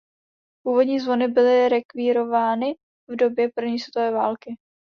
Původní zvony byly rekvírovány v době první světové války.